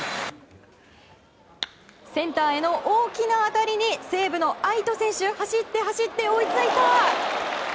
センターへの大きな当たりに西武の愛斗選手走って、走って追いついた！